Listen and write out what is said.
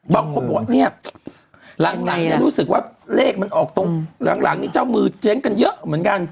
บางคนบอกว่าเนี่ยหลังเนี่ยรู้สึกว่าเลขมันออกตรงหลังนี่เจ้ามือเจ๊งกันเยอะเหมือนกัน